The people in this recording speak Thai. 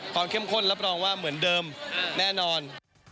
เข้มข้นรับรองว่าเหมือนเดิมแน่นอน